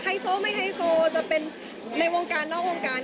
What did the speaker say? โซไม่ไฮโซจะเป็นในวงการนอกวงการ